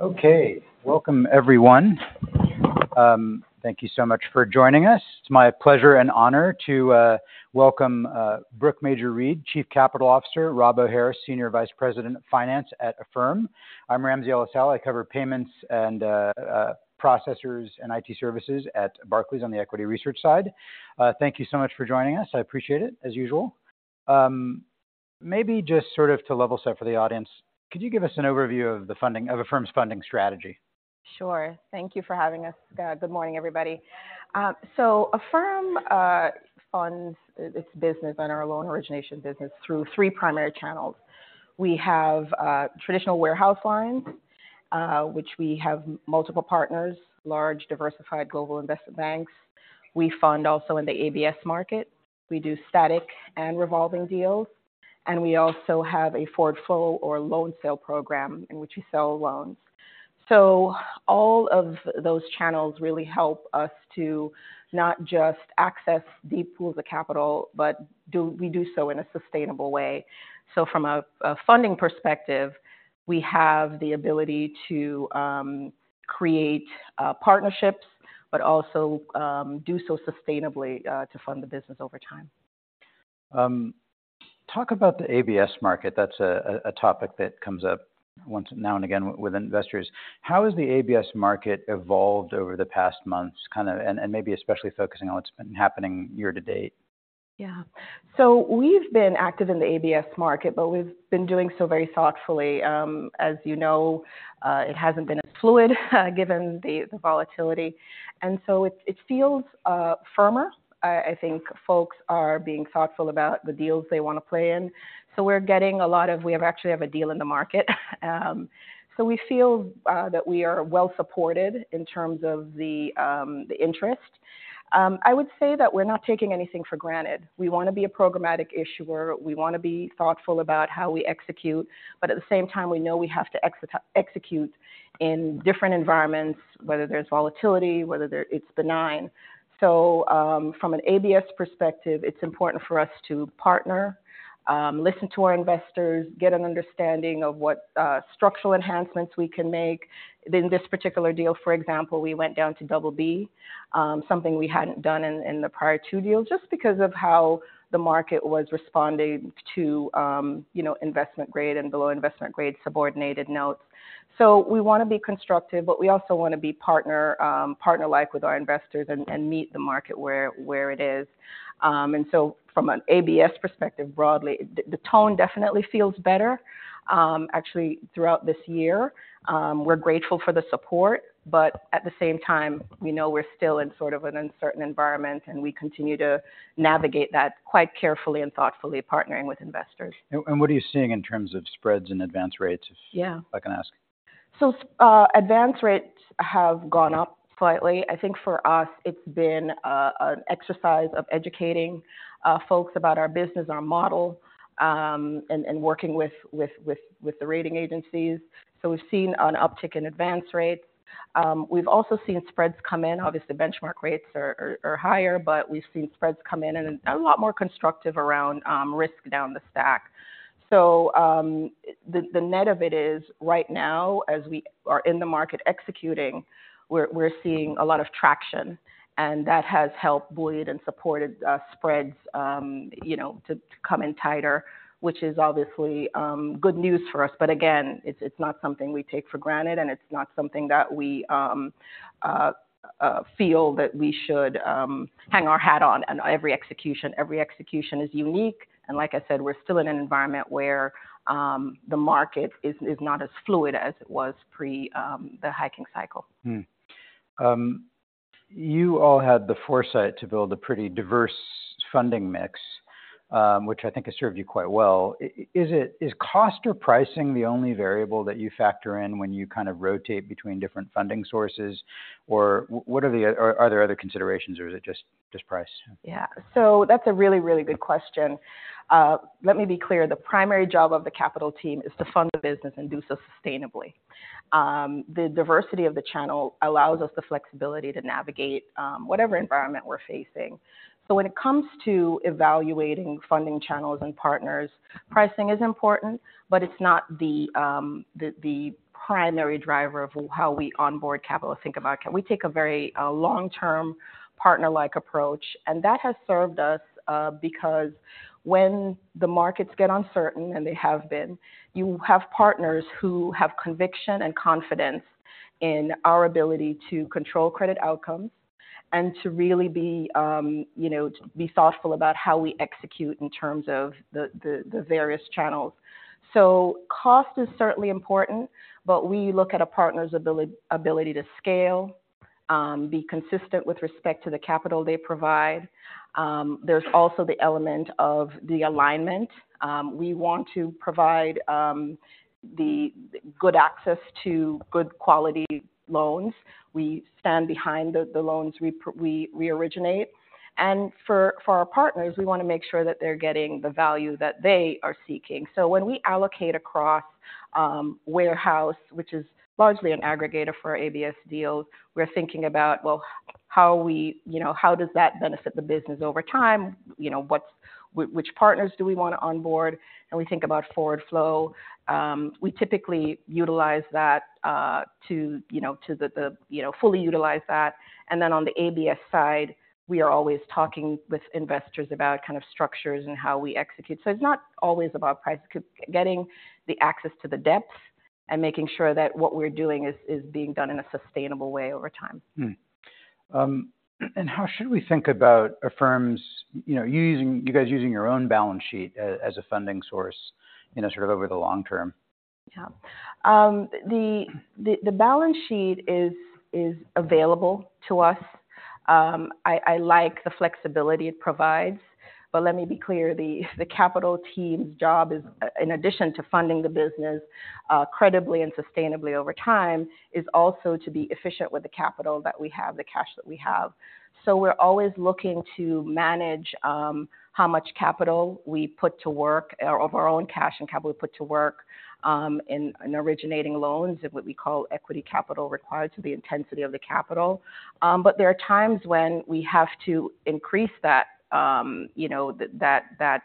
Okay, welcome everyone. Thank you so much for joining us. It's my pleasure and honor to welcome Brooke Major-Reid, Chief Capital Officer, Rob O'Hare, Senior Vice President of Finance at Affirm. I'm Ramsey El-Assal. I cover payments and processors and IT services at Barclays on the equity research side. Thank you so much for joining us. I appreciate it, as usual. Maybe just sort of to level set for the audience, could you give us an overview of the funding of Affirm's funding strategy? Sure. Thank you for having us. Good morning, everybody. So Affirm funds its business and our loan origination business through three primary channels. We have traditional warehouse lines, which we have multiple partners, large, diversified global investment banks. We fund also in the ABS market. We do static and revolving deals, and we also have a forward flow or loan sale program in which we sell loans. So all of those channels really help us to not just access deep pools of capital, but we do so in a sustainable way. So from a funding perspective, we have the ability to create partnerships, but also do so sustainably to fund the business over time. Talk about the ABS market. That's a topic that comes up once now and again with investors. How has the ABS market evolved over the past months, kinda, and maybe especially focusing on what's been happening year to date? Yeah. So we've been active in the ABS market, but we've been doing so very thoughtfully. As you know, it hasn't been as fluid, given the volatility, and so it feels firmer. I think folks are being thoughtful about the deals they want to play in. So we're getting a lot of... We actually have a deal in the market. So we feel that we are well supported in terms of the interest. I would say that we're not taking anything for granted. We want to be a programmatic issuer. We want to be thoughtful about how we execute, but at the same time, we know we have to execute in different environments, whether there's volatility, whether it's benign. So, from an ABS perspective, it's important for us to partner, listen to our investors, get an understanding of what structural enhancements we can make. In this particular deal, for example, we went down to BB, something we hadn't done in the prior two deals, just because of how the market was responding to you know, investment grade and below investment grade subordinated notes. So we want to be constructive, but we also want to be partner, partner-like with our investors and meet the market where it is. And so from an ABS perspective, broadly, the tone definitely feels better. Actually, throughout this year, we're grateful for the support, but at the same time, we know we're still in sort of an uncertain environment, and we continue to navigate that quite carefully and thoughtfully, partnering with investors. And what are you seeing in terms of spreads and advance rates? Yeah. If I can ask? So, advance rates have gone up slightly. I think for us, it's been an exercise of educating folks about our business, our model, and working with the rating agencies. So we've seen an uptick in advance rates. We've also seen spreads come in. Obviously, benchmark rates are higher, but we've seen spreads come in and a lot more constructive around risk down the stack. So, the net of it is, right now, as we are in the market executing, we're seeing a lot of traction, and that has helped buoy and supported spreads, you know, to come in tighter, which is obviously good news for us. But again, it's not something we take for granted, and it's not something that we feel that we should hang our hat on every execution. Every execution is unique, and like I said, we're still in an environment where the market is not as fluid as it was pre the hiking cycle. You all had the foresight to build a pretty diverse funding mix, which I think has served you quite well. Is cost or pricing the only variable that you factor in when you kind of rotate between different funding sources? Or are there other considerations, or is it just price? Yeah. So that's a really, really good question. Let me be clear. The primary job of the capital team is to fund the business and do so sustainably. The diversity of the channel allows us the flexibility to navigate whatever environment we're facing. So when it comes to evaluating funding channels and partners, pricing is important, but it's not the primary driver of how we onboard capital or think about capital. We take a very long-term, partner-like approach, and that has served us because when the markets get uncertain, and they have been, you have partners who have conviction and confidence in our ability to control credit outcomes and to really be, you know, to be thoughtful about how we execute in terms of the various channels. So cost is certainly important, but we look at a partner's ability to scale, be consistent with respect to the capital they provide. There's also the element of the alignment. We want to provide the good access to good quality loans. We stand behind the loans we originate, and for our partners, we want to make sure that they're getting the value that they are seeking. So when we allocate across warehouse, which is largely an aggregator for our ABS deals, we're thinking about how we, you know, how does that benefit the business over time? You know, which partners do we want to onboard? And we think about forward flow, we typically utilize that to, you know, fully utilize that. And then on the ABS side, we are always talking with investors about kind of structures and how we execute. So it's not always about price, getting the access to the depth and making sure that what we're doing is being done in a sustainable way over time. How should we think about Affirm's, you know, you using, you guys using your own balance sheet as a funding source, you know, sort of over the long term? Yeah. The balance sheet is available to us. I like the flexibility it provides, but let me be clear, the capital team's job is, in addition to funding the business, credibly and sustainably over time, is also to be efficient with the capital that we have, the cash that we have. So we're always looking to manage how much capital we put to work or of our own cash and capital we put to work in originating loans and what we call equity capital, required to the intensity of the capital. But there are times when we have to increase that, you know, that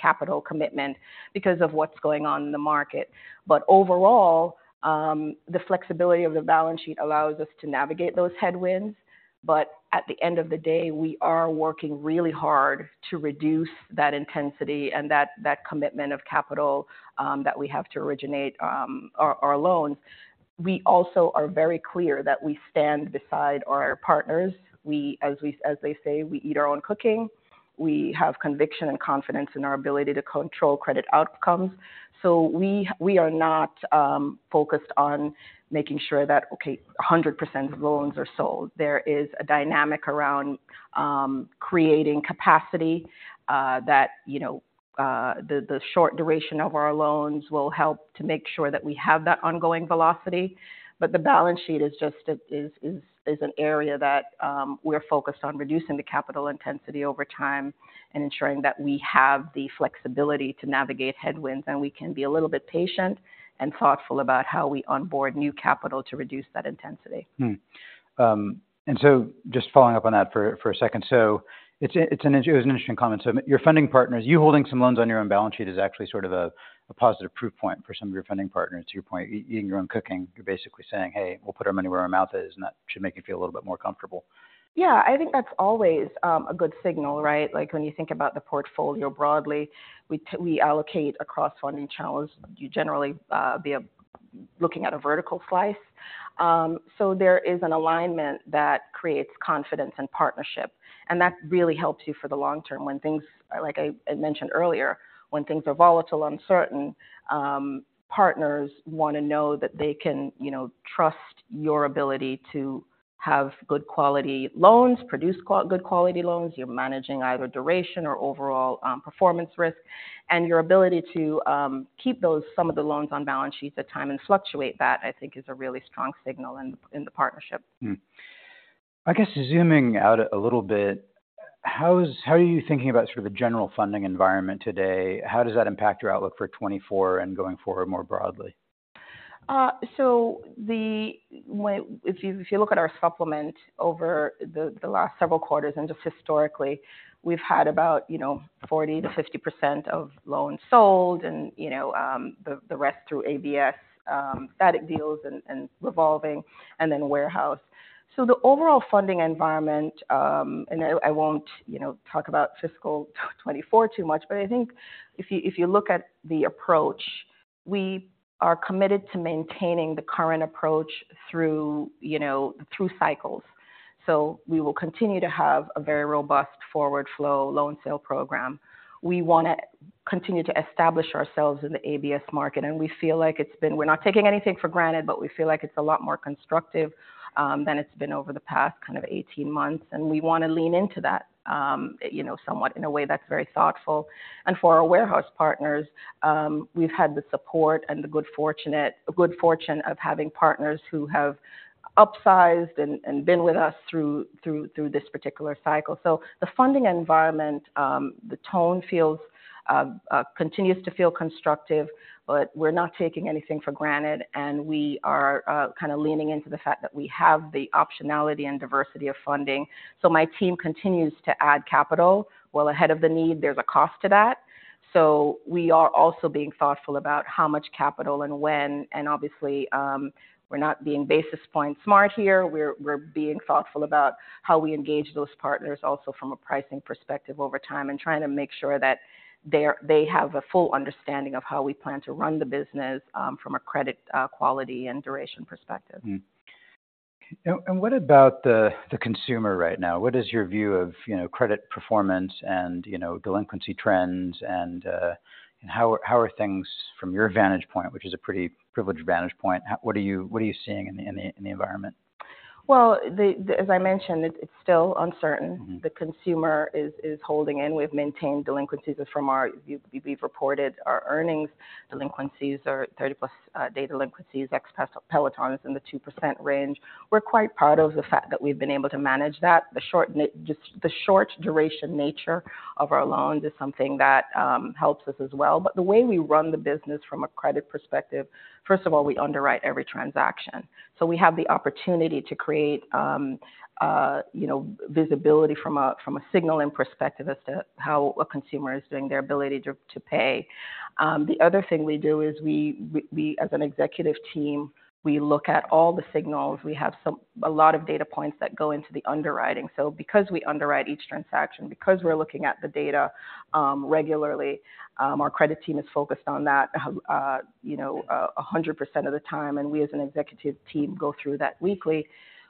capital commitment because of what's going on in the market. But overall, the flexibility of the balance sheet allows us to navigate those headwinds. But at the end of the day, we are working really hard to reduce that intensity and that commitment of capital that we have to originate our loans. We also are very clear that we stand beside our partners. We, as they say, we eat our own cooking. We have conviction and confidence in our ability to control credit outcomes. So we are not focused on making sure that, okay, 100% of loans are sold. There is a dynamic around creating capacity that you know the short duration of our loans will help to make sure that we have that ongoing velocity. But the balance sheet is just a... is an area that we're focused on reducing the capital intensity over time and ensuring that we have the flexibility to navigate headwinds, and we can be a little bit patient and thoughtful about how we onboard new capital to reduce that intensity. And so just following up on that for a second. So it's an interesting comment. So your funding partners, you holding some loans on your own balance sheet is actually sort of a positive proof point for some of your funding partners, to your point, eating your own cooking. You're basically saying, "Hey, we'll put our money where our mouth is, and that should make you feel a little bit more comfortable. Yeah. I think that's always a good signal, right? Like, when you think about the portfolio broadly, we allocate across funding channels. You generally be looking at a vertical slice. So there is an alignment that creates confidence and partnership, and that really helps you for the long term when things... Like I mentioned earlier, when things are volatile, uncertain, partners wanna know that they can, you know, trust your ability to have good quality loans, produce good quality loans. You're managing either duration or overall performance risk, and your ability to keep those, some of the loans on balance sheets at time and fluctuate that, I think is a really strong signal in the partnership. I guess zooming out a little bit, how are you thinking about sort of the general funding environment today? How does that impact your outlook for 2024 and going forward more broadly? When if you look at our supplement over the last several quarters and just historically, we've had about, you know, 40%-50% of loans sold and, you know, the rest through ABS, static deals and revolving, and then warehouse. So the overall funding environment, and I won't, you know, talk about fiscal 2024 too much, but I think if you look at the approach, we are committed to maintaining the current approach through, you know, through cycles. So we will continue to have a very robust forward flow loan sale program. We wanna continue to establish ourselves in the ABS market, and we feel like it's been... We're not taking anything for granted, but we feel like it's a lot more constructive than it's been over the past kind of 18 months, and we wanna lean into that, you know, somewhat in a way that's very thoughtful. And for our warehouse partners, we've had the support and the good fortune of having partners who have upsized and been with us through this particular cycle. So the funding environment, the tone feels, continues to feel constructive, but we're not taking anything for granted, and we are kind of leaning into the fact that we have the optionality and diversity of funding. So my team continues to add capital well ahead of the need. There's a cost to that. So we are also being thoughtful about how much capital and when, and obviously, we're not being basis point smart here. We're being thoughtful about how we engage those partners, also from a pricing perspective over time, and trying to make sure that they have a full understanding of how we plan to run the business, from a credit quality and duration perspective. Hmm. And what about the consumer right now? What is your view of, you know, credit performance and, you know, delinquency trends, and how are things from your vantage point, which is a pretty privileged vantage point? What are you seeing in the environment? Well, as I mentioned, it's still uncertain. Mm-hmm. The consumer is holding in. We've maintained delinquencies from our—we've reported our earnings. Delinquencies are 30+ day delinquencies. Ex-Peloton is in the 2% range. We're quite proud of the fact that we've been able to manage that. The short duration nature of our loans is something that helps us as well. But the way we run the business from a credit perspective, first of all, we underwrite every transaction. So we have the opportunity to create you know, visibility from a signaling perspective as to how a consumer is doing, their ability to pay. The other thing we do is we as an executive team look at all the signals. We have a lot of data points that go into the underwriting. So because we underwrite each transaction, because we're looking at the data regularly, our credit team is focused on that, you know, 100% of the time, and we, as an executive team, go through that weekly.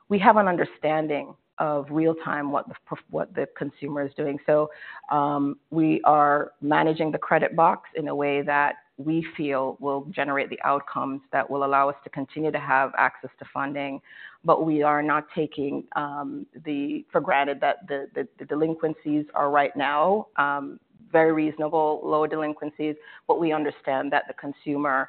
We have an understanding of real-time what the consumer is doing. So we are managing the credit box in a way that we feel will generate the outcomes that will allow us to continue to have access to funding. But we are not taking it for granted that the delinquencies are right now very reasonable, low delinquencies, but we understand that the consumer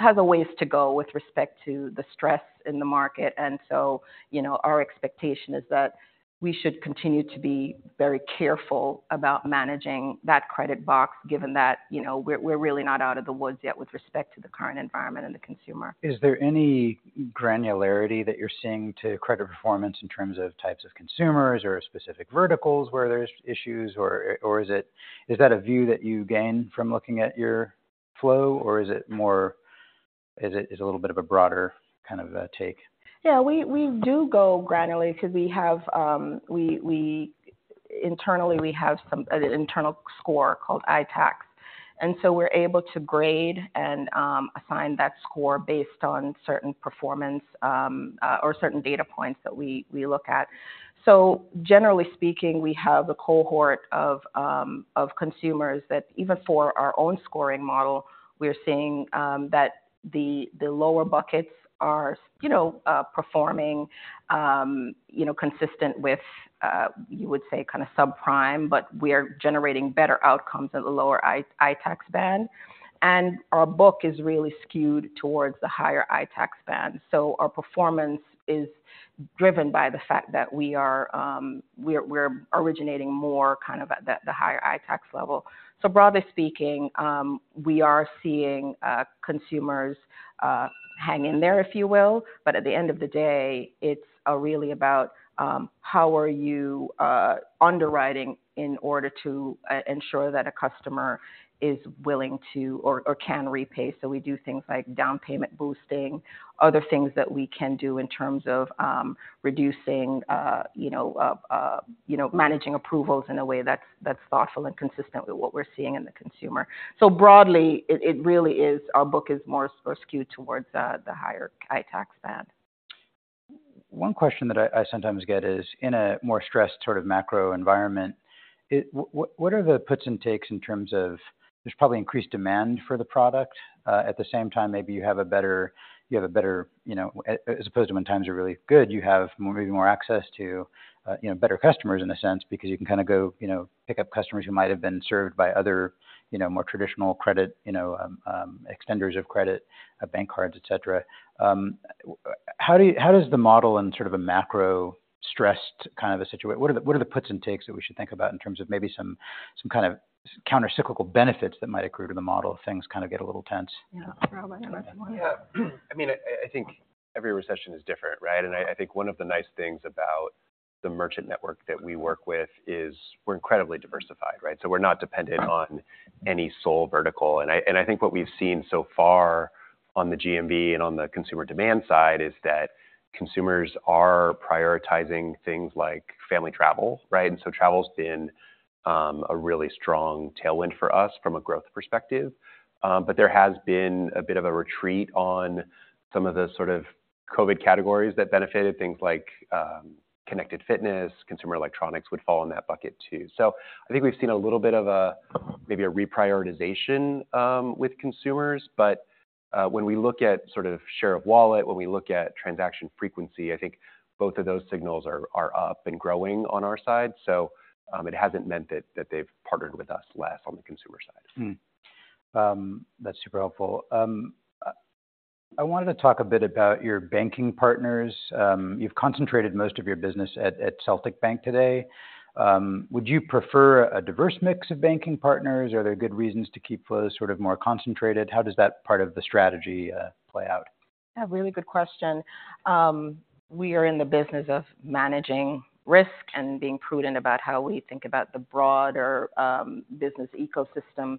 has a ways to go with respect to the stress in the market. And so, you know, our expectation is that we should continue to be very careful about managing that credit box, given that, you know, we're really not out of the woods yet with respect to the current environment and the consumer. Is there any granularity that you're seeing to credit performance in terms of types of consumers or specific verticals where there's issues, or is that a view that you gain from looking at your flow, or is it more... Is it a little bit of a broader kind of take? Yeah, we do go granularly because we internally have an internal score called ITAC. And so we're able to grade and assign that score based on certain performance or certain data points that we look at. So generally speaking, we have a cohort of consumers that even for our own scoring model, we're seeing that the lower buckets are, you know, performing, you know, consistent with what you would say, kind of subprime, but we are generating better outcomes at the lower ITAC band. And our book is really skewed towards the higher ITAC band. So our performance is driven by the fact that we are originating more kind of at the higher ITAC level. So broadly speaking, we are seeing consumers hang in there, if you will, but at the end of the day, it's really about how are you underwriting in order to ensure that a customer is willing to or, or can repay. So we do things like down payment boosting, other things that we can do in terms of reducing, you know, you know, managing approvals in a way that's, that's thoughtful and consistent with what we're seeing in the consumer. So broadly, it, it really is, our book is more skewed towards the, the higher ITAC band. One question that I sometimes get is, in a more stressed sort of macro environment, what are the puts and takes in terms of... There's probably increased demand for the product, at the same time, maybe you have a better, you have a better, you know, as opposed to when times are really good, you have maybe more access to, you know, better customers in a sense, because you can kind of go, you know, pick up customers who might have been served by other, you know, more traditional credit, you know, extenders of credit, bank cards, et cetera. How does the model in sort of a macro stressed kind of a situation? What are the puts and takes that we should think about in terms of maybe some kind of countercyclical benefits that might accrue to the model if things kind of get a little tense? Yeah. Robert, do you want to- Yeah. I mean, I think every recession is different, right? And I think one of the nice things about the merchant network that we work with is we're incredibly diversified, right? So we're not dependent on any sole vertical. And I think what we've seen so far on the GMV and on the consumer demand side is that consumers are prioritizing things like family travel, right? And so travel's been a really strong tailwind for us from a growth perspective. But there has been a bit of a retreat on some of the sort of COVID categories that benefited, things like connected fitness, consumer electronics would fall in that bucket, too. I think we've seen a little bit of a, maybe, a reprioritization with consumers, but when we look at sort of share of wallet, when we look at transaction frequency, I think both of those signals are up and growing on our side. It hasn't meant that they've partnered with us less on the consumer side. That's super helpful. I wanted to talk a bit about your banking partners. You've concentrated most of your business at, at Celtic Bank today. Would you prefer a diverse mix of banking partners? Are there good reasons to keep those sort of more concentrated? How does that part of the strategy play out? A really good question. We are in the business of managing risk and being prudent about how we think about the broader business ecosystem.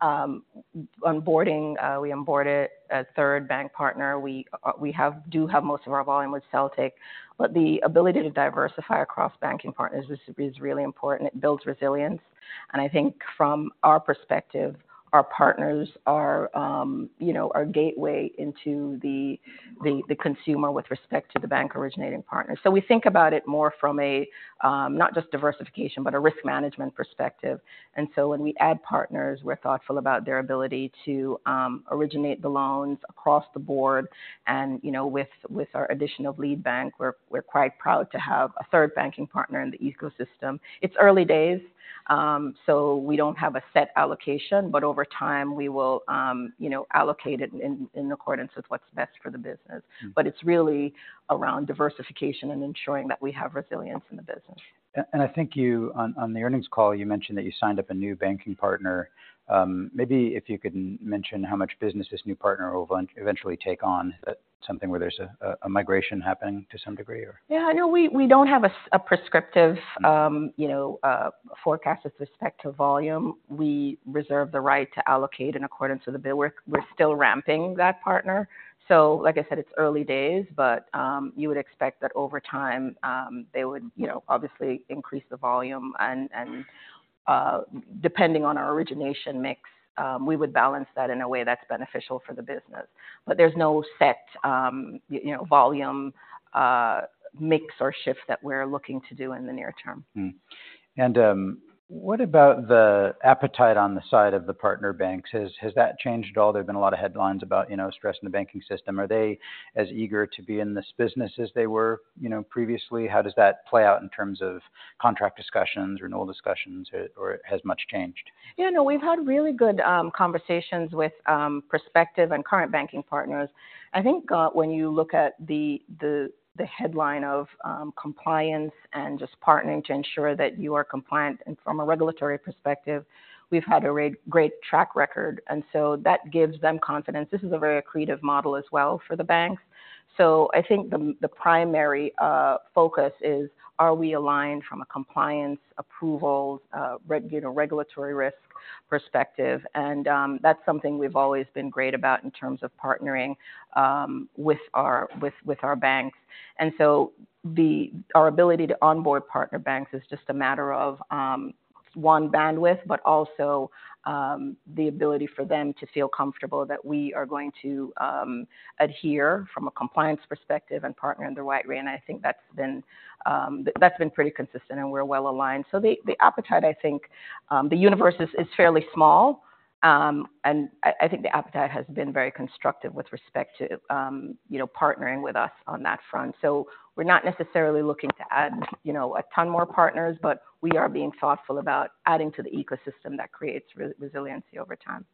Onboarding, we onboarded a third bank partner. We do have most of our volume with Celtic, but the ability to diversify across banking partners is really important. It builds resilience, and I think from our perspective, our partners are, you know, our gateway into the consumer with respect to the bank-originating partner. So we think about it more from a not just diversification, but a risk management perspective. And so when we add partners, we're thoughtful about their ability to originate the loans across the board, and, you know, with our addition of Lead Bank, we're quite proud to have a third banking partner in the ecosystem. It's early days, so we don't have a set allocation, but over time, we will, you know, allocate it in accordance with what's best for the business. Mm-hmm. But it's really around diversification and ensuring that we have resilience in the business. I think you, on the earnings call, you mentioned that you signed up a new banking partner. Maybe if you could mention how much business this new partner will eventually take on. Is that something where there's a migration happening to some degree, or? Yeah, no, we don't have a prescriptive, you know, forecast with respect to volume. We reserve the right to allocate in accordance with the bid. We're still ramping that partner. So like I said, it's early days, but you would expect that over time, they would, you know, obviously increase the volume, and depending on our origination mix, we would balance that in a way that's beneficial for the business. But there's no set, you know, volume mix or shift that we're looking to do in the near term. What about the appetite on the side of the partner banks? Has that changed at all? There have been a lot of headlines about, you know, stress in the banking system. Are they as eager to be in this business as they were, you know, previously? How does that play out in terms of contract discussions, renewal discussions, or has much changed? Yeah, no, we've had really good conversations with prospective and current banking partners. I think, when you look at the headline of compliance and just partnering to ensure that you are compliant, and from a regulatory perspective, we've had a great track record, and so that gives them confidence. This is a very accretive model as well for the banks. So I think the primary focus is, are we aligned from a compliance, approvals, you know, regulatory risk perspective? And that's something we've always been great about in terms of partnering with our banks. And so our ability to onboard partner banks is just a matter of, one, bandwidth, but also, the ability for them to feel comfortable that we are going to, adhere from a compliance perspective and partner underwriting. And I think that's been, that's been pretty consistent, and we're well aligned. So the appetite, I think, the universe is fairly small. And I think the appetite has been very constructive with respect to, you know, partnering with us on that front. So we're not necessarily looking to add, you know, a ton more partners, but we are being thoughtful about adding to the ecosystem that creates resiliency over time.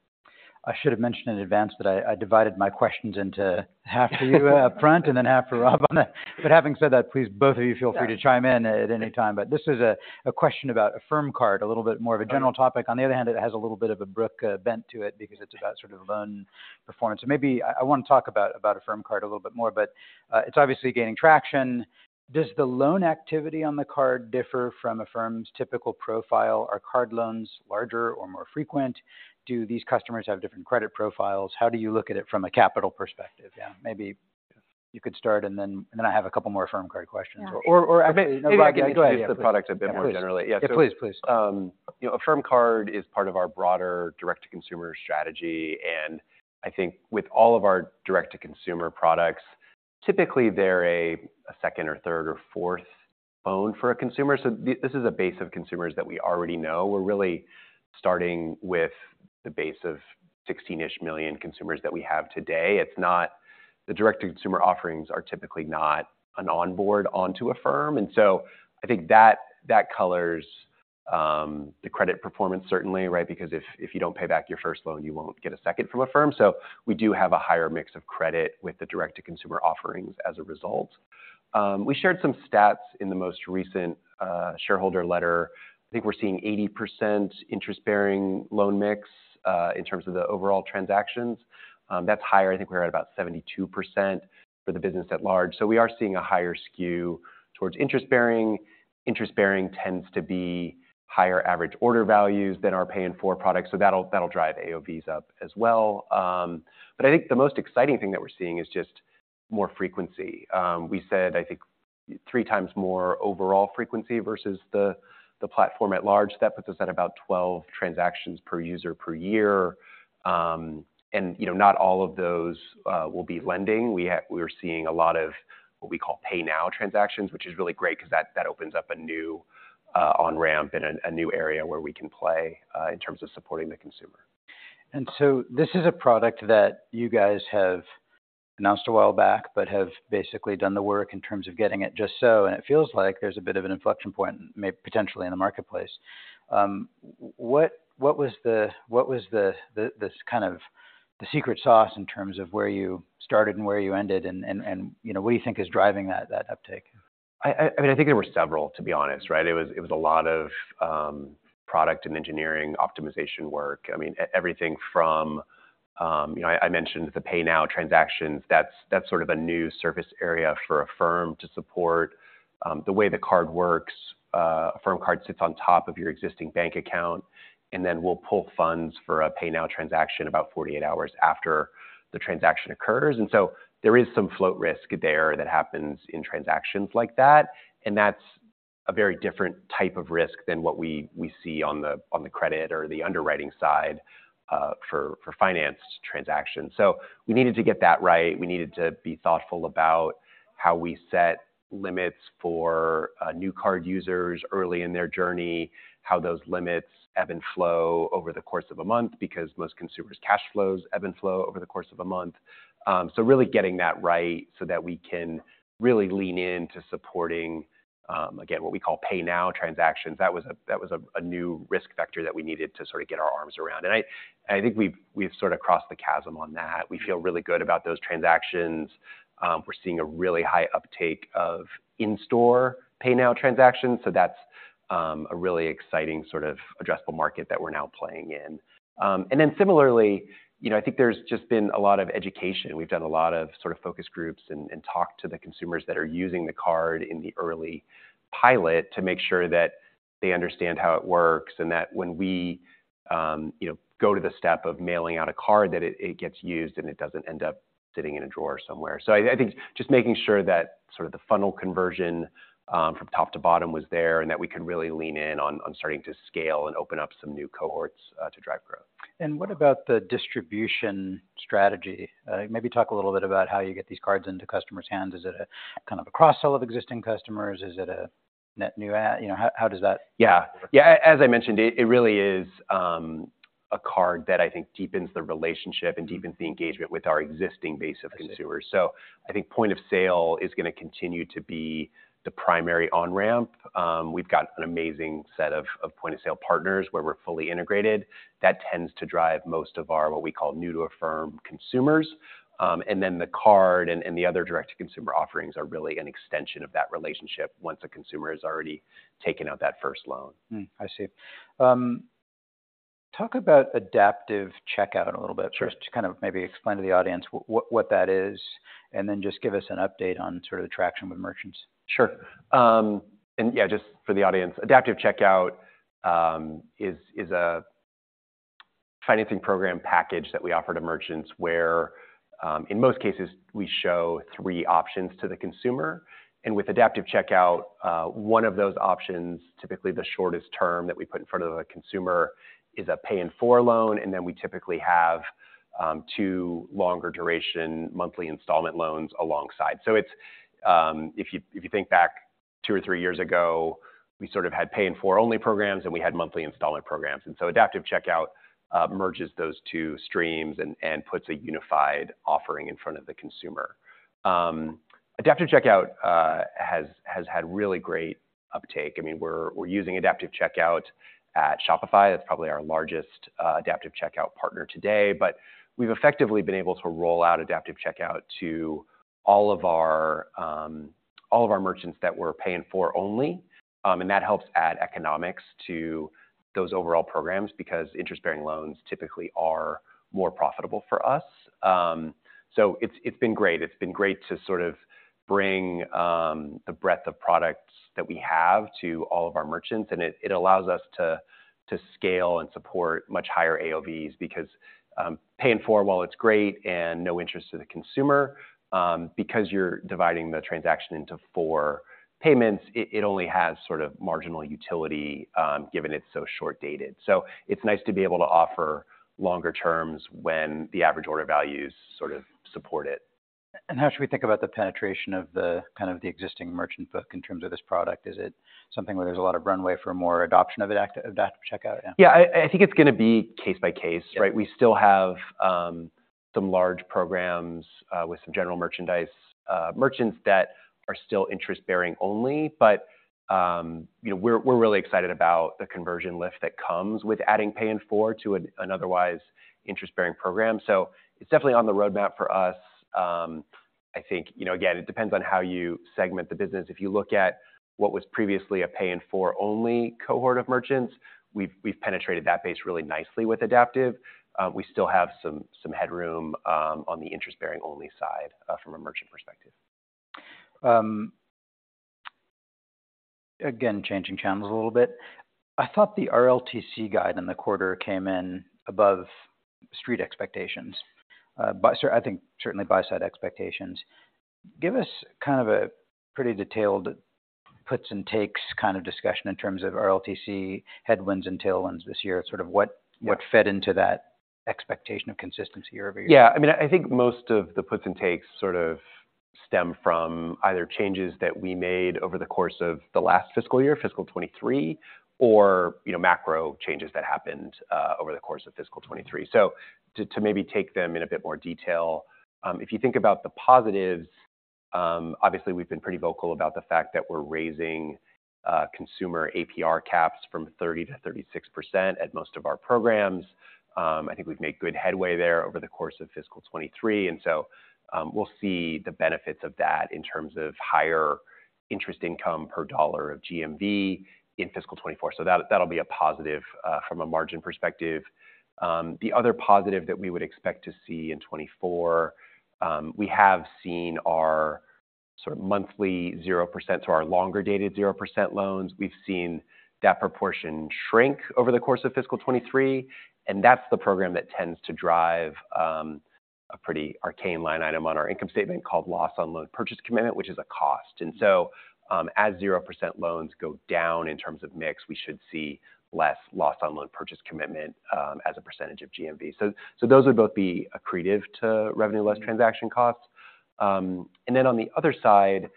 I should have mentioned in advance that I divided my questions into half for you up front, and then half for Rob on the... But having said that, please, both of you, feel free to chime in at any time. But this is a question about Affirm Card, a little bit more of a general topic. On the other hand, it has a little bit of a Brooke bent to it because it's about sort of loan performance. So maybe I want to talk about Affirm Card a little bit more, but it's obviously gaining traction. Does the loan activity on the card differ from Affirm's typical profile? Are card loans larger or more frequent? Do these customers have different credit profiles? How do you look at it from a capital perspective? Yeah, maybe you could start, and then I have a couple more Affirm Card questions. Yeah. Or, or maybe... Go ahead. The product a bit more generally. Yeah, please, please. You know, Affirm Card is part of our broader direct-to-consumer strategy, and I think with all of our direct-to-consumer products, typically they're a second or third or fourth loan for a consumer. So this is a base of consumers that we already know. We're really starting with the base of 16-ish million consumers that we have today. It's not. The direct-to-consumer offerings are typically not an onboard onto Affirm, and so I think that colors the credit performance, certainly, right? Because if you don't pay back your first loan, you won't get a second from Affirm. So we do have a higher mix of credit with the direct-to-consumer offerings as a result. We shared some stats in the most recent shareholder letter. I think we're seeing 80% interest-bearing loan mix in terms of the overall transactions. That's higher. I think we're at about 72% for the business at large. So we are seeing a higher skew towards interest-bearing. Interest-bearing tends to be higher average order values than our Pay in 4 products, so that'll, that'll drive AOVs up as well. But I think the most exciting thing that we're seeing is just more frequency. We said, I think three times more overall frequency versus the platform at large. That puts us at about 12 transactions per user per year. And, you know, not all of those will be lending. We're seeing a lot of what we call Pay Now transactions, which is really great because that, that opens up a new on-ramp and a new area where we can play in terms of supporting the consumer. This is a product that you guys have announced a while back, but have basically done the work in terms of getting it just so, and it feels like there's a bit of an inflection point, potentially in the marketplace. What was the secret sauce in terms of where you started and where you ended, and you know, what do you think is driving that uptake? I mean, I think there were several, to be honest, right? It was a lot of product and engineering optimization work. I mean, everything from, you know, I mentioned the Pay Now transactions, that's sort of a new surface area for Affirm to support, the way the card works. Affirm Card sits on top of your existing bank account, and then we'll pull funds for a Pay Now transaction about 48 hours after the transaction occurs. And so there is some float risk there that happens in transactions like that, and that's a very different type of risk than what we see on the credit or the underwriting side, for finance transactions. So we needed to get that right. We needed to be thoughtful about how we set limits for new card users early in their journey, how those limits ebb and flow over the course of a month, because most consumers' cash flows ebb and flow over the course of a month. So really getting that right so that we can really lean in to supporting again, what we call Pay Now transactions. That was a new risk factor that we needed to sort of get our arms around. And I think we've sort of crossed the chasm on that. We feel really good about those transactions. We're seeing a really high uptake of in-store Pay Now transactions, so that's a really exciting sort of addressable market that we're now playing in. And then similarly, you know, I think there's just been a lot of education. We've done a lot of sort of focus groups and talked to the consumers that are using the card in the early pilot to make sure that they understand how it works, and that when we, you know, go to the step of mailing out a card, that it gets used, and it doesn't end up sitting in a drawer somewhere. So I think just making sure that sort of the funnel conversion from top to bottom was there, and that we can really lean in on starting to scale and open up some new cohorts to drive growth. What about the distribution strategy? Maybe talk a little bit about how you get these cards into customers' hands. Is it a kind of a cross-sell of existing customers? Is it a net new add? You know, how does that- Yeah. Yeah, as I mentioned, it, it really is a card that I think deepens the relationship and deepens the engagement with our existing base of consumers. So I think point-of-sale is going to continue to be the primary on-ramp. We've got an amazing set of, of point-of-sale partners where we're fully integrated. That tends to drive most of our, what we call, new-to-Affirm consumers. And then the card and, and the other direct-to-consumer offerings are really an extension of that relationship once a consumer has already taken out that first loan. Hmm, I see. Talk about Adaptive Checkout a little bit. Sure. Just to kind of maybe explain to the audience what that is, and then just give us an update on sort of the traction with merchants. Sure. And yeah, just for the audience, Adaptive Checkout is a financing program package that we offer to merchants, where in most cases, we show three options to the consumer. And with Adaptive Checkout, one of those options, typically the shortest term that we put in front of the consumer, is a Pay in 4 loan, and then we typically have two longer duration monthly installment loans alongside. So it's if you think back two or three years ago, we sort of had Pay in 4 only programs, and we had monthly installment programs. And so Adaptive Checkout merges those two streams and puts a unified offering in front of the consumer. Adaptive Checkout has had really great uptake. I mean, we're using Adaptive Checkout at Shopify. That's probably our largest Adaptive Checkout partner today. But we've effectively been able to roll out Adaptive Checkout to all of our, all of our merchants that were Pay in 4 only, and that helps add economics to those overall programs because interest-bearing loans typically are more profitable for us. So it's, it's been great. It's been great to sort of bring, the breadth of products that we have to all of our merchants, and it, it allows us to, to scale and support much higher AOVs. Because, Pay in 4, while it's great and no interest to the consumer, because you're dividing the transaction into four payments, it, it only has sort of marginal utility, given it's so short-dated. So it's nice to be able to offer longer terms when the average order values sort of support it. How should we think about the penetration of the, kind of the existing merchant book in terms of this product? Is it something where there's a lot of runway for more adoption of Adaptive Checkout now? Yeah. I think it's going to be case by case, right? Yeah. We still have some large programs with some general merchandise merchants that are still interest-bearing only. But you know, we're really excited about the conversion lift that comes with adding Pay in 4 to an otherwise interest-bearing program. So it's definitely on the roadmap for us. I think, you know, again, it depends on how you segment the business. If you look at what was previously a Pay in 4 only cohort of merchants, we've penetrated that base really nicely with Adaptive. We still have some headroom on the interest-bearing only side from a merchant perspective. Again, changing channels a little bit. I thought the RLTC guide in the quarter came in above street expectations. So I think certainly buy-side expectations. Give us kind of a pretty detailed puts and takes kind of discussion in terms of RLTC headwinds and tailwinds this year. Sort of what fed into that expectation of consistency year-over-year? Yeah, I mean, I think most of the puts and takes sort of stem from either changes that we made over the course of the last fiscal year, fiscal 2023, or, you know, macro changes that happened over the course of fiscal 2023. So to maybe take them in a bit more detail, if you think about the positives, obviously, we've been pretty vocal about the fact that we're raising consumer APR caps from 30%-36% at most of our programs. I think we've made good headway there over the course of fiscal 2023, and so we'll see the benefits of that in terms of higher interest income per dollar of GMV in fiscal 2024. So that, that'll be a positive from a margin perspective. The other positive that we would expect to see in 2024, we have seen our sort of monthly 0% to our longer-dated 0% loans. We've seen that proportion shrink over the course of fiscal 2023, and that's the program that tends to drive a pretty arcane line item on our income statement called loss on loan purchase commitment, which is a cost. And so, as 0% loans go down in terms of mix, we should see less loss on loan purchase commitment as a percentage of GMV. So those would both be accretive to revenue less transaction costs. And then on the other side,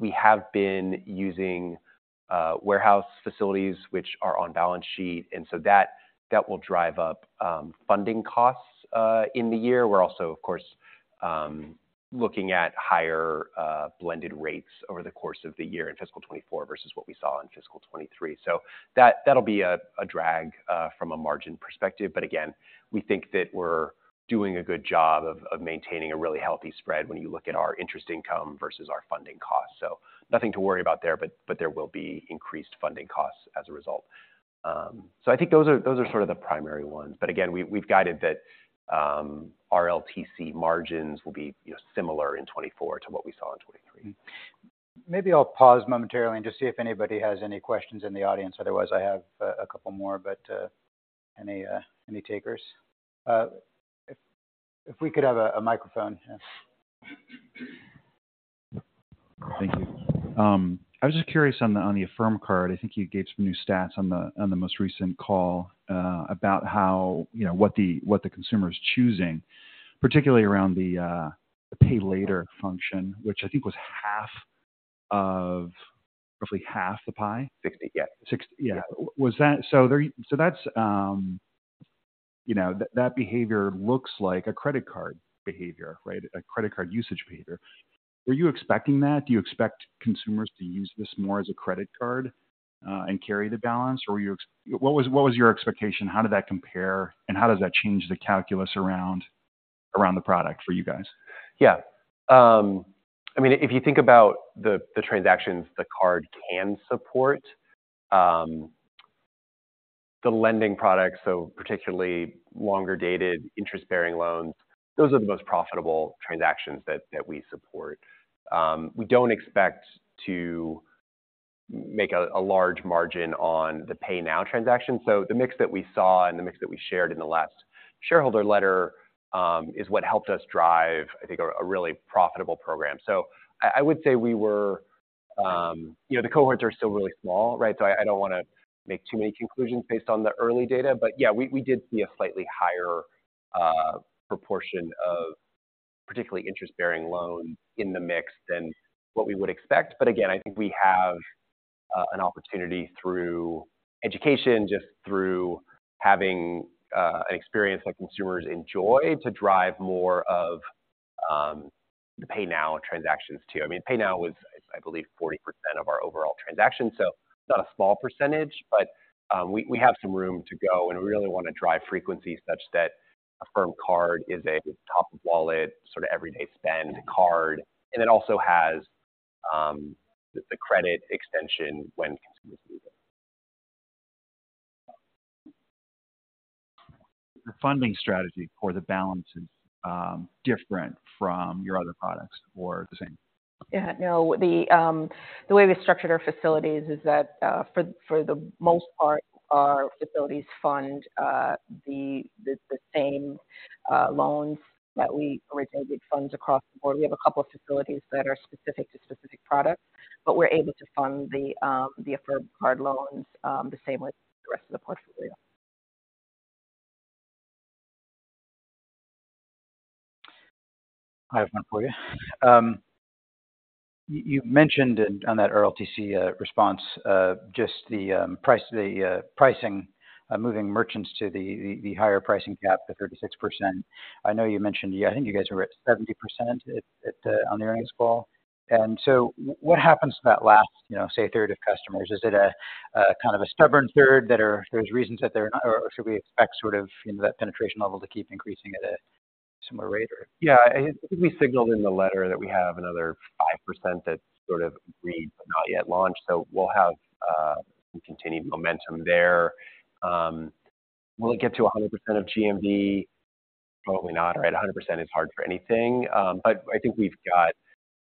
we have been using warehouse facilities, which are on balance sheet, and so that will drive up funding costs in the year. We're also, of course, looking at higher blended rates over the course of the year in fiscal 2024 versus what we saw in fiscal 2023. So that, that'll be a drag from a margin perspective. But again, we think that we're doing a good job of maintaining a really healthy spread when you look at our interest income versus our funding costs. So nothing to worry about there, but there will be increased funding costs as a result. So I think those are those are sort of the primary ones. But again, we've guided that RLTC margins will be, you know, similar in 2024 to what we saw in 2023. Maybe I'll pause momentarily and just see if anybody has any questions in the audience. Otherwise, I have a couple more, but any takers? If we could have a microphone. Yes. Thank you. I was just curious on the Affirm Card. I think you gave some new stats on the most recent call about how... you know, what the consumer is choosing, particularly around the Pay Later function, which I think was half-... of roughly half the pie? Sixty, yeah. Yes, yeah. Was that? So there, so that's, you know, that behavior looks like a credit card behavior, right? A credit card usage behavior. Were you expecting that? Do you expect consumers to use this more as a credit card, and carry the balance? Or were you? What was your expectation? How did that compare, and how does that change the calculus around the product for you guys? Yeah. I mean, if you think about the transactions the card can support, the lending products, so particularly longer-dated interest-bearing loans, those are the most profitable transactions that we support. We don't expect to make a large margin on the Pay Now transaction. So the mix that we saw and the mix that we shared in the last shareholder letter is what helped us drive, I think, a really profitable program. So I would say we were... You know, the cohorts are still really small, right? So I don't wanna make too many conclusions based on the early data. But yeah, we did see a slightly higher proportion of particularly interest-bearing loans in the mix than what we would expect. But again, I think we have an opportunity through education, just through having an experience that consumers enjoy, to drive more of the Pay Now transactions, too. I mean, Pay Now was, I believe, 40% of our overall transactions, so not a small percentage, but we, we have some room to go, and we really wanna drive frequency such that Affirm Card is a top-of-wallet, sort of everyday spend card. And it also has the credit extension when consumers need it. The funding strategy for the balance is, different from your other products or the same? Yeah, no, the way we structured our facilities is that, for the most part, our facilities fund the same loans that we originated funds across the board. We have a couple of facilities that are specific to specific products, but we're able to fund the Affirm Card loans the same way as the rest of the portfolio. I have one for you. You mentioned on that RLTC response, just the price, the pricing, moving merchants to the higher pricing cap, the 36%. I know you mentioned, yeah, I think you guys were at 70% at, on the earnings call. And so what happens to that last, you know, say, a third of customers? Is it a kind of a stubborn third that are—there's reasons that they're not, or should we expect sort of, you know, that penetration level to keep increasing at a similar rate, or? Yeah, I think we signaled in the letter that we have another 5% that sort of ready but not yet launched. So we'll have some continued momentum there. Will it get to 100% of GMV? Probably not, right. 100% is hard for anything. But I think we've got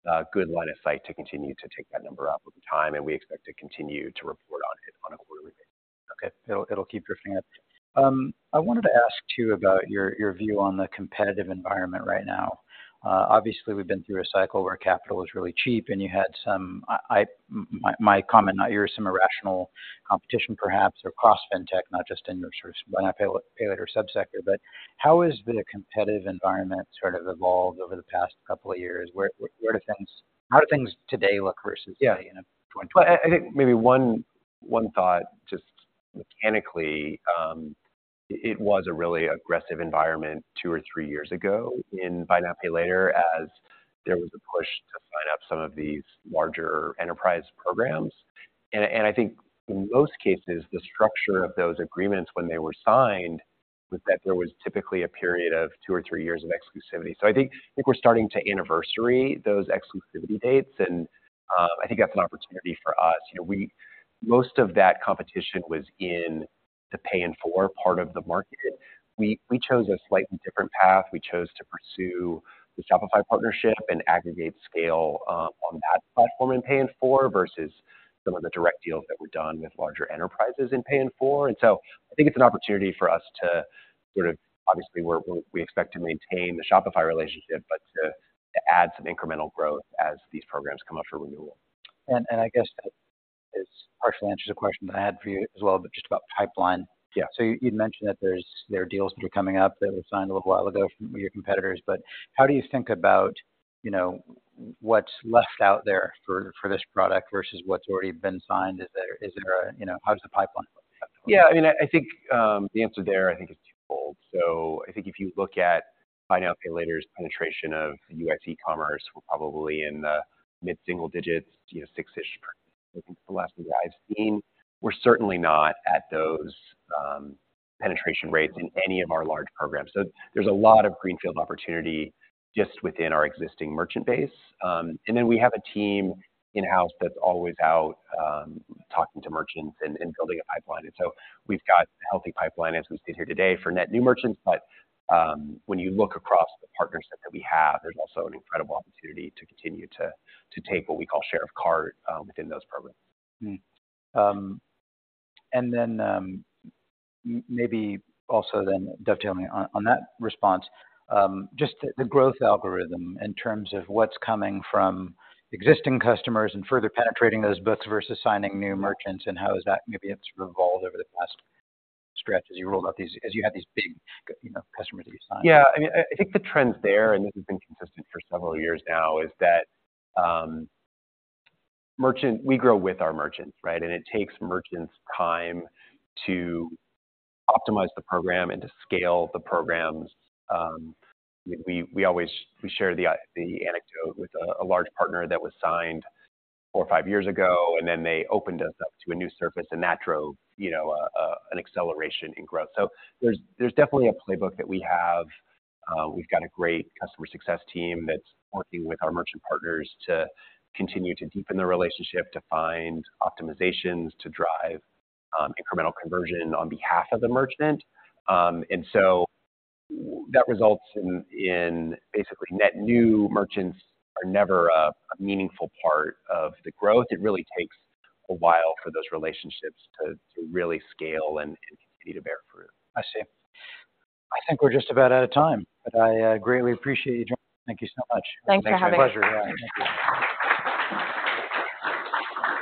a good line of sight to continue to take that number up over time, and we expect to continue to report on it on a quarterly basis. Okay. It'll, it'll keep drifting up. I wanted to ask, too, about your, your view on the competitive environment right now. Obviously, we've been through a cycle where capital is really cheap, and you had some... my comment, not yours, some irrational competition, perhaps, across fintech, not just in your sort of Buy Now, Pay Later subsector. But how has the competitive environment sort of evolved over the past couple of years? Where do things—how do things today look versus- Yeah You know, 2020? Well, I think maybe one thought, just mechanically, it was a really aggressive environment two or three years ago in Buy Now, Pay Later, as there was a push to sign up some of these larger enterprise programs. And I think in most cases, the structure of those agreements when they were signed, was that there was typically a period of two or three years of exclusivity. So I think we're starting to anniversary those exclusivity dates, and I think that's an opportunity for us. You know, we most of that competition was in the Pay in 4 part of the market. We chose a slightly different path. We chose to pursue the Shopify partnership and aggregate scale on that platform in Pay in 4 versus some of the direct deals that were done with larger enterprises in Pay in 4. And so I think it's an opportunity for us to sort of... Obviously, we expect to maintain the Shopify relationship, but to add some incremental growth as these programs come up for renewal. And I guess that partially answers a question that I had for you as well, but just about pipeline. Yeah. So you, you'd mentioned that there are deals that are coming up that were signed a little while ago from your competitors, but how do you think about, you know, what's left out there for this product versus what's already been signed? Is there, you know, how does the pipeline look? Yeah, I mean, I, I think, the answer there, I think, is twofold. So I think if you look at buy now, Pay Later's penetration of U.S. e-commerce, we're probably in the mid-single digits, you know, 6-ish, the last thing I've seen. We're certainly not at those, penetration rates in any of our large programs. So there's a lot of greenfield opportunity just within our existing merchant base. And then we have a team in-house that's always out, talking to merchants and, and building a pipeline. And so we've got a healthy pipeline as we sit here today for net new merchants, but, when you look across the partners that, that we have, there's also an incredible opportunity to continue to, to take what we call share of cart, within those programs. Then, maybe also then dovetailing on that response, just the growth algorithm in terms of what's coming from existing customers and further penetrating those books versus signing new merchants, and how is that maybe evolved over the past stretch as you rolled out these, as you had these big, you know, customers that you signed? Yeah, I mean, I think the trends there, and this has been consistent for several years now, is that merchants. We grow with our merchants, right? And it takes merchants time to optimize the program and to scale the programs. We always share the anecdote with a large partner that was signed four or five years ago, and then they opened us up to a new surface, and that drove, you know, an acceleration in growth. So there's definitely a playbook that we have. We've got a great customer success team that's working with our merchant partners to continue to deepen the relationship, to find optimizations, to drive incremental conversion on behalf of the merchant. And so that results in basically net new merchants are never a meaningful part of the growth. It really takes a while for those relationships to really scale and continue to bear fruit. I see. I think we're just about out of time, but I greatly appreciate you joining. Thank you so much. Thanks for having me. Pleasure, yeah. Thank you.